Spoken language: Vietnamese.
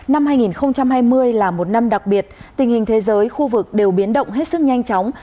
năm hai nghìn hai mươi là một năm đặc biệt tình hình thế giới khu vực đều biến động hết sức nhanh chóng